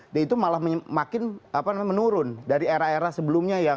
dan itu malah makin menurun dari era era sebelumnya yang